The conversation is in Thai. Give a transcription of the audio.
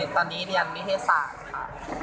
ตอนนี้เรียนไม่ให้ศาลค่ะ